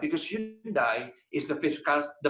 karena hyundai adalah